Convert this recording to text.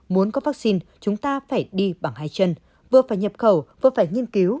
muốn có vaccine chúng ta phải đi bằng hai chân vừa phải nhập khẩu vừa phải nghiên cứu